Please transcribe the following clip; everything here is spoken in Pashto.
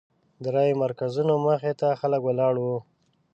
د رایو مرکزونو مخې ته خلک ولاړ وو.